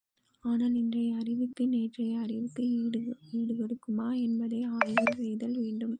ஆனால் இன்றைய அறிவுக்கு, நேற்றைய அறிவு ஈடுகொடுக்குமா என்பதையும் ஆய்வு செய்தல் வேண்டும்.